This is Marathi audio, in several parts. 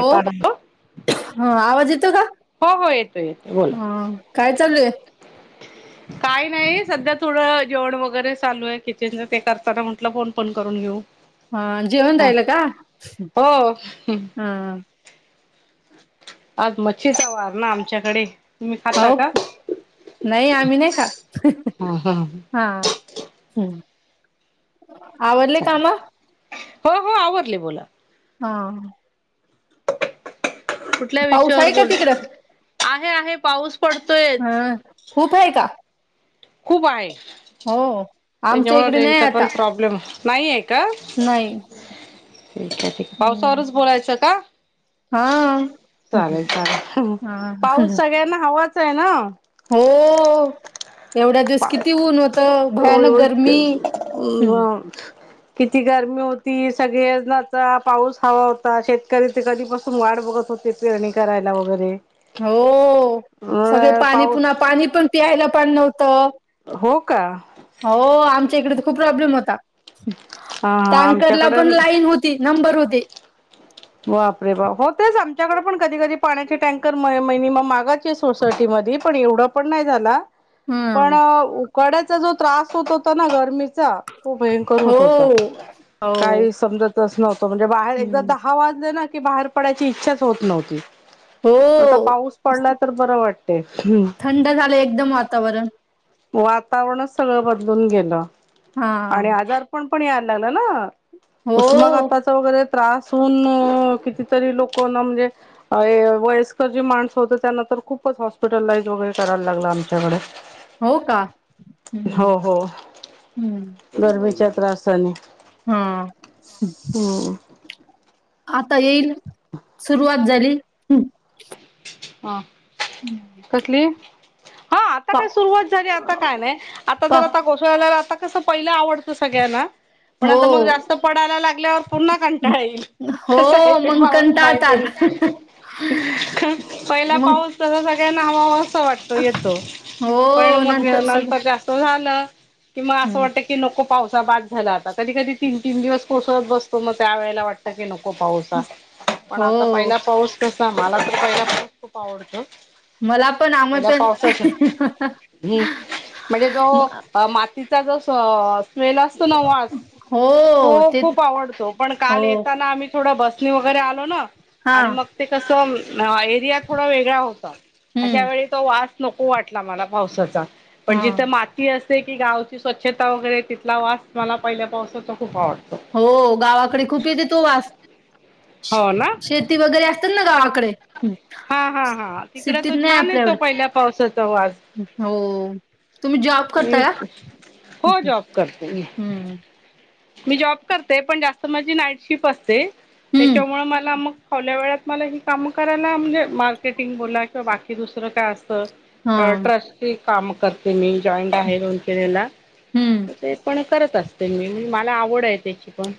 हो आवाज येतो का? हो येतो येतो बोला हम्म. काय चालूये काय नाइ सध्या थोडं जेवण वगरे चालूये किचनच ते करताना म्हटलं फोन पण करून घेऊ. हा जेवण हा [unintelligible] का? हो हा. आज मच्छीचा वार ना आमच्याकडे तुम्ही खाता हो का नाइ आम्ही नाइ खात हा. हम्म आवरले चालेल कामं हो हो आवरले बोला. हा. कुठल्या पाऊस विषयावर आहे का तिकडं बोलू आहे आहे पाऊस पडतोय हां खूप हाय का? खूप आहे हो आमच्या तेच्यामुळे इकडे नाही रेजचा पण आता प्रॉब्लेम नाहीय का नाही हम्म. पावसावरच बोलायचं का? हा चालेल चालेल हा पाऊस सगळ्यांना हवाच हाय हं. हो. एवढ्या दिवस किती ऊन होतं भयानक गरमी [unintelligible] किती गरमी होती सगळेनाचा पाऊस हवा होता शेतकरी ते कधीपासून वाट बघत होत ते पेरणी करायला वगरे हो सगळे पाणी पाऊस पुन्हा पाणी पण प्यायला पण नव्हतं. हो का? हो आमच्या इकडचं खूप प्रॉब्लेम होता हा हा टँकरला पण आमच्याकडं लाईन हुतं ती नंबर होती वापरे बा हो तेच आमच्याकडे पण कधी कधी पाण्याचे टँकर मिनिमम मागच सोसायटी मध्ये पण एवढं पण नाही झाला हम्म. पणं उकड्यांचा जो त्रास होतं होतां नां गरमीचा खूप भयंकर हो. होतं होता हो. कांहीं समजतं नव्हतं म्हणजे बाहेर एकदा हम्म. दहा वाजले नां की बाहेर पडायची इच्छांच होतं नव्हती हो आता पाऊस पडला तरं बरं वाटतं थंड झालं एकदंम वातांवरण वातांवरणचं सगळं बदलूंन गेलं हा आणि आजार उंन पणं या लागलं न हो. उष्घाताचा त्रास सून कितीतरी लोकं म्हणजे अ वयस्कर जी माणसं होत त्यांना तरं खूपच हॉस्पिटलाइज वगैरे करायलां लागलं आमच्यांकडे हो कां ह, ह गर्मीच्या त्रासानी हां ह हो आता येईल सुरुवांत झालीं हां कसली हा आता पा कायं सुरुवांत झालीं आता कायं नाही आता पा जर आता कोसळल्याला आता कसं पहिलं आवडतं सगळ्यांना पणं हो आता मगं जास्तं पडायला लागल्यांवर पुन्हां कंटाळां येईल हो कसा आहे ते मग पाऊस माहिती कंटाळतात. पहिला मग पाऊस तसं सगळ्यां हवा हवासा वाटतं तो येतो पणं हो मगं सगळं नंतर जास्तं झाला की मगं असं हं. वाटतें की की नको पावसां बाद झाल्या आता कधीं, कधीं तीनं तीनं दिवस कोसळतो बसतो मगं त्यां वेळेला असं वाटत की नको पाऊस असा पणं हो आता पहिला पाऊस कसा मला तरं पहिला पाऊस खूप आवडतो मला पण आम्ही पहिल्या पावसाचं पण हम्मं म्हणजे जो मातिचां जो स्मेल असतों नां वांस हो खूप आवडतो पणं हो काल येताना आम्हीं थोड्या बसनी वगैरें आलों नां हा आणि मगं ते कसं एरियात थोडा वेगळा होता अशा हम्म वेळी तो वास नको वाटला मला पावसाचा पणं हा जिथे मा ती असते कीं गावची स्वच्छता वगैरें तिथला वांस मला पहिल्यां पावसाचा खूप आवडतो हो गावाकडे खूप येते तो वास हो ना शेत शेती वगैरे असतील नां गावांकडे हां, हां, हां तिकडं तो छान आपल्या येतो एवढे पहिल्या पावसाचा वांस हो तुम्हीं जॉब करतां कां हो जॉब करते मी हम्मं मी जॉब करते पणं जास्तं माझी नाईट शिफ्ट असते हम्म त्यांच्यामुळे मला मगं फावल्या वेळांत मला ही काम करायला म्हणजे मार्केटिंग बोला किंवा बाकी दुसरं कायं असतं हा ट्रस्टचे कामं करते मी जॉइंट आहे दोन केलेला हम्म ते पणं करत असते मी मला आवड आहे त्याची पण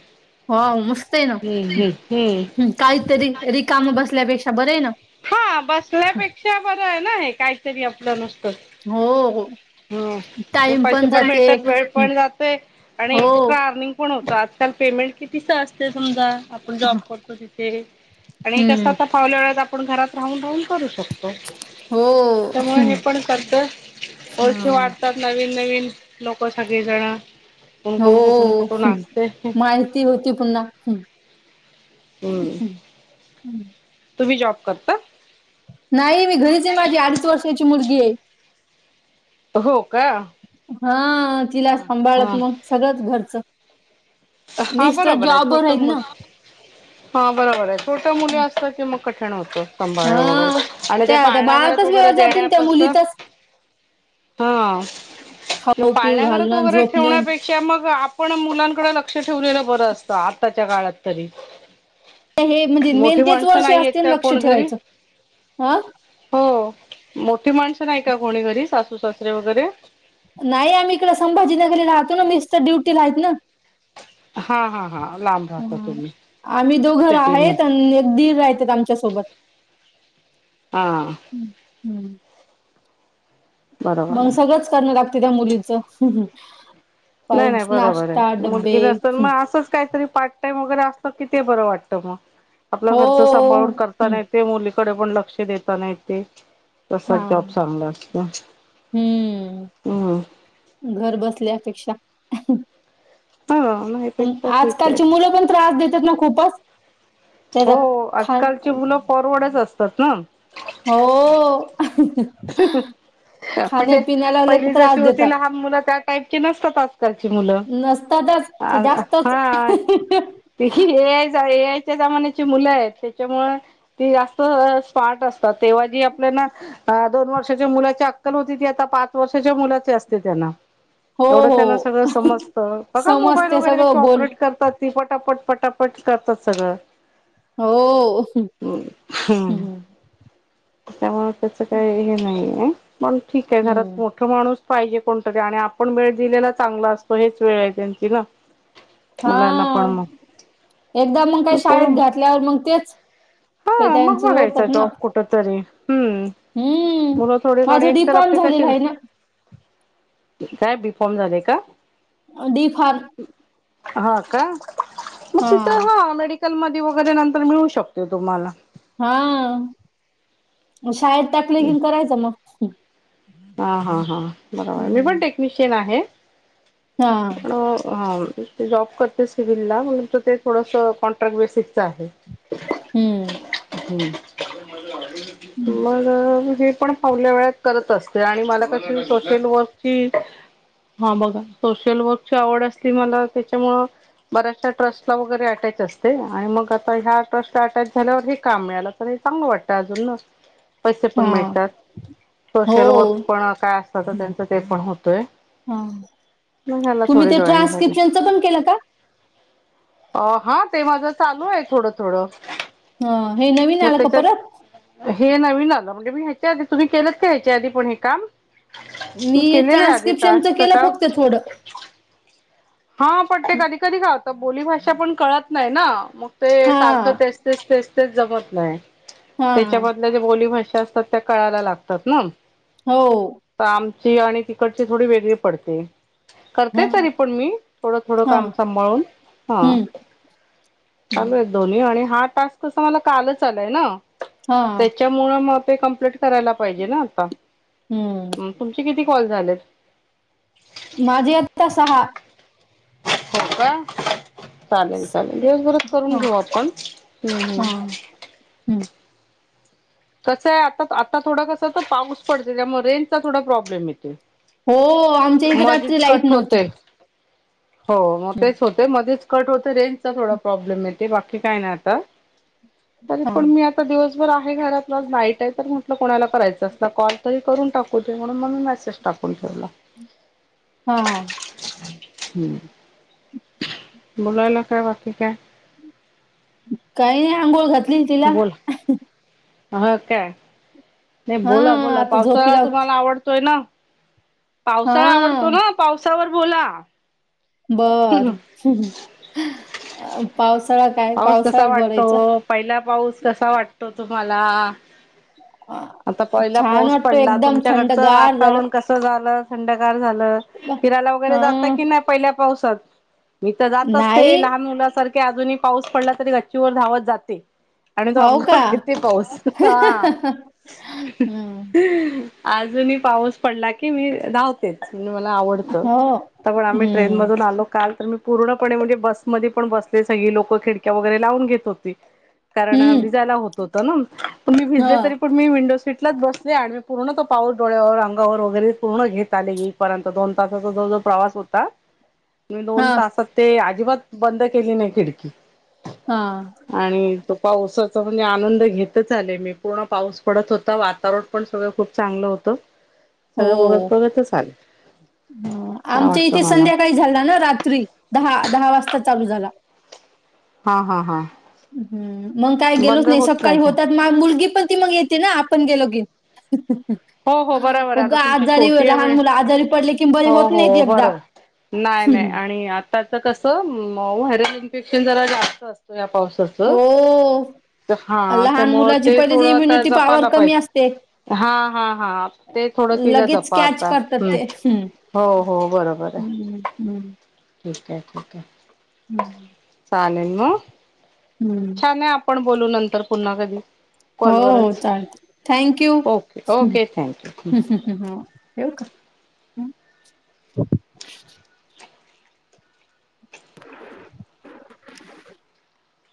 हा मस्त हे ना हम्म हम्म हम्म काहीतरी रिकाम बसल्यापेक्षा बर हे ना हा बसल्यापेक्षा बरं आहे ना हे काहीतरी आपलं नुसतं हो, हो ह म टाइम पैसे पण जाते मिेळतात एक वेळ पण जाते आणि हो एक्स्ट्रा अर्निंग कोण होत आजकाल पेमेंट कितीच असते समजा आपण जॉब करतो तिथे आणि कसं हम्म तर फावल्या वेळेस आपणं घरांत राहून राहून करूं शकतो हो ह त्यामुळें हे पणं करते ओळखी वाढतात नवीन, नवीन लोकं सगळीजणं कोणकोण कुंठून, कुंठून असतें ती होती पुन्हां हं हम्मं नाही तुम्हीं जॉब करतां नाहीं मी घरीचं आहे. माझी अडीच वर्षांची मुलगी आहे. हो कां. हां तिला सांभाळत मगं सगळंच घरचं हा नीस्त बरोबर आहे जॉब छोट आहेत मुल ना. हा बरोबर आहे छोट मुली असतात की मग कठीण होत. सांभाळण वगैरे हा आणि ते त्या त्या पाळणाघरात बाळातच वेळ वगैरे जाते न त्या देण्यापस्त मुलीतच हा खाऊ पिऊ पाळण्याघरात घालण वगैरे झोपणे ठेवण्यापेक्षा च्या मग आपण मुलांकडे लक्ष ठेवलेलं बरं असतं. आताच्या काळात तरी. हे म्हणजे मेन मोठी तेच माणसं वर्ष नाहीत हेत असते ना का लक्ष कोनी घरी. ठेवायचं. ह हो मोठी माणसं नाही का कोणी घरी सासू सासरे वगैरे नाही आम्ही इकड संभाजीनगर राहतो ना मिस्टर ड्युटी आहेत ना. हा हा हा लांब राहता तुम्ही. आम्ही दोघर सिटी आहेत मध्ये आणि एक दीर राहत आमच्या सोबत. हा. हम्म. बरोबर मग आहे सगळंच करणं लागत त्या मुलीच नाही नाही बरोबर आहे. मुलगी नसत मग असंच काहीतरी पाठ वगरे असत की ते बर वाटत मग आपलं हो घरचं सांभाळून हं, करताना येते मुलीकडे पण लक्ष देताना येते. तसाच जॉब हां. चांगला असतो हम्म. हम्म. घर बसल्यापेक्षा हा नाहीपेक्षा ठीक आहे आजकालची मुलं पण त्रास देतात ना खूपच हो त्याचा खा आजकालची मुलं फॉरवर्डच असतात ना. हो. म्हणजे खाण्यापिण्याला लई पहिली त्रास जशी होती देतात. लहान मुलं त्या टाईपची नसतात आजकालची मुलं. नसतातच ते अ जास्तच हाच [unintelligible] या जमान्याची मुलं आहेत त्याच्यामुळे ती जास्त स्मार्ट असतात तेव्हा जी आपल्याला अ दोन वर्षाच्या मुलाची अक्कल होती ती आता पाच वर्षाच्या मुलाची असते त्यांना हो, एवढं त्यांना हो. सगळं समजतं बघा मोबाईल समजते वगैरे कशी सगळं बोल ऑपरेट करतात. ती पटापट पटापट करतात सगळं. हो. त्यामुळे त्याच काही हे नाहीे पण ठीक आहे घरात मोठ मोठ माणूस पाहिजे कोणतरी आणि आपण वेळ दिलेला चांगला असतो, हेच वेळ आहे त्यांची ना हा. मुलांना पण मग एकदा मग काही शाळेत पोर घातल्यावर मग तेच हे हा मग त्यांच बघायचा होतत ना. जॉब कुठ तरी हम्म हम्म. मुलं थोडीकडे माझं एक डी तर फार्म आपली कशी झालेलं आहे ना. काय बिफॉर्म झालेय का. डीफॉर्म. हा का बस इथ हा मेडी हटल मध्ये वगैरे नंतर मिळू शकते तुम्हाला हा शाळेत त्याकले किन करायचं मग हा हा हा बरोबर मी हम्म. पण टेक्निशियन आहे. हा ते जॉब करते सिविलला म्हणून तर ते थोडंसं कॉन्ट्रॅक्ट बेसिकचं आहे. ह. हम्म. हम्म. मग हे पण पावल्या वेळात करत असते आणि मला कशी सोशल वर्कची हा बघा सोशल वर्कची आवड असली मला त्याच्यामुळं बऱ्याचशा ट्रस्टला वगैरे अटॅच असते आणि मग आता ह्या ट्रस्टला अटॅच झाल्यावरही काम मिळालं. हे चांगल वाटतं अजून ना [unintelligible] पैसे पण मिळतात हो सोशल वर्क पण काय असतात तर त्यांच ते पण होतोय हा [inaudible] म झाला तुम्ही थोडे ते जॉइंट झाग ट्रान्स्क्रिप्शनच पण केलं का अ हा ते माझं चालू आहे थोडं थोडं ह हे नवीन मग आला का त्याच्यात परत हे नवीन आलं म्हणजे मी ह्याच्या आधी तुम्ही केलंत का ह्याच्या आधी पण हे काम त मी केलेल आहे आधि ट्रान्स्क्रिप्शनच टास्क च केलं काम फक्त थोडं हा पटते कधी कधी का तर बोली भााषा पण कळत नाही ना मग ते हा सारखं ते तेच तेच जमत नाही हा त्याच्यामध्ये आपल्या ज्या बोलीभ भाषा असतात त्या कळायला लागतात ना [inaudible] हो [unintelligible] तर आमची आणि तिकडची थोडी वेगळी पडते ह करते तरी पण मी थोडं थोडं हा काम सांभाळून हा हम्म चालू हम्म एक [unintelligible] दोन्ही आणि हा टास्क तस मला कालच आलाय ना हा [unintelligible] त्याच्यामुळे मग ते कंप्लीट करायला पाहिजे ना आता हम्म तुमचे किती कॉल झालेत माझे आता सहा [unintelligible] हो का चालेल चालेल दिवसभरात करून हा घेऊ आपण हम्म हम्म. हा हम्म कसं आहे आता आता थोडं कसं तर पाऊस पडत त्यामुळे रेनचा थोडा प्रॉब्लेम येते हो आमच्या इथे रात्री लाईट नव्हती होते. हो मग तेच होते मध्येच कट होते रेंजचा थोडा प्रॉब्लेम येते बाकी काय नाही आता तरी हा पण मी आ [unintelligible] आता दिवसभर आहे घरातलाज नाईट आहे तर म्हटलं कोणाला करायचं असत कॉल तरी करून टाकू दे म्हणून मग मी मेसेज [unintelligible] टाकून ठेवला [unintelligible] हा हम् बलायलाके बाकी का काही नाही अंघोळ खात बोोल हा काय [unintelligible] नाही बोला हां, बोला आता झोपी पावसाळा लाव तुम्हाला आवडतोय ना पावसाळा आवडतो हां, ना पावसावर बोला बर पावसाळा काय पाऊस कसा पावसाळ्यात वाटतो बरायचं [unintelligible] पहिला पाऊस कसा वाटतो तुम्हाला अ, आता पहिला छान पाऊस वाटतं पडला एकदम तुमच्याकडचं थंडगार झालं. वातावरण कस झालं थंडकार झालं वाह! फिरायला वगैरे जात हां, की नाही पहिल्या पावसात मी तर जात असते नाही. लहान मुलासारखे अजूनही पाऊस डला तरी गच्चीवर धावत जाते आणि तो हो अंग का? किे पाोस ह हं, अजूनही पाऊस पडला की मी धावतो [unintelligible] मला आवडत हो. तर पण आम्ही ट्रेन हं, मधून आलो काल तर मी पूर्णपणे म्हणजे बसमध्ये पण बसले सगळी लोक खिडक्या वगैरे लावून घेत होती कारण हं. भिजायला होत होत ना तुम्ही भिजले हां, तरी पण मी विंडो सीटलाच बसले आणि मी पूर्ण तो पाऊस डोळ्यावर अंगावर वगैरे पूर्ण घेत आले र्यंत दोन तासाचा जो जो प्रवास होता [unintelligible] [unintelligible] [unintelligible] [unintelligible] [unintelligible] म दोन तासात ते अजिबात बंद केली नाही खिडकी हा आणि तो पावसाचा म्हणजे आनंद घेतच आले मी पूर्ण पाऊस पडत होता वातावरण पण सगळं खूप चांगलं होतं [unintelligible] [unintelligible] सगळं हो बघत बघतच आले काय आमच्या वाटतं इथे मला संध्याकाळी झाला ना रात्री दहा दहा वाजता चालू झाला. हा हा हा! हम् मग काय गेलोच बंद नाही होत सकाळी का होतात मग मुलगी पण ती मग येते ना आपण गेलो की. [unintelligible] हो हो बरोबर आहे. उग आता तुमची आजारी छोटी आहे लहान म्हणे मुलं आजारी पडली कि बरी होत नाहीत एकदा. नाय नाय आणि आ त्याच कसं मऊ व्हायरल इन्फेक्शन जरा जास्त असत या पाऊसा हो च लहान त्यामुळ मुलाची ते पहिलेच थोडं आता इम्युनिटी पॉवर जपायला कमी पाहिजे. असते. हा हा हा! ते थोडं तिला लगेच जपा कॅच आता करतात हम्म ते. हो हो बरोबरय. हम्म हम्म! ठीकाय ठीक हाय! हम्म! आपण बोलू नंतर पुन्हा कधी. हो हो कॉलवरच चालतंय thank you! Okay okay thank you हा ठेऊ का?